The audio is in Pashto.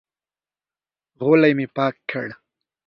غولی مې پاک کړ.